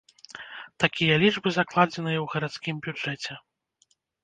Такія лічбы закладзеныя ў гарадскім бюджэце.